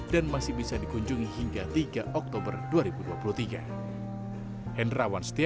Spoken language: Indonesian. dan masih bisa dikunjungi hingga tiga oktober dua ribu dua puluh tiga